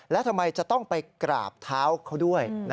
และทำไมจะต้องไปกราบเท้าเขาด้วย